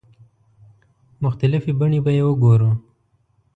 مختلفې بڼې به یې وګورو.